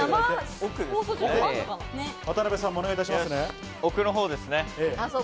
奥のほうですね。